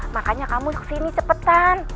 makanya kamu kesini cepetan